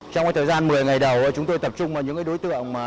trong thời gian một mươi ngày đầu chúng tôi tập trung vào những đối tượng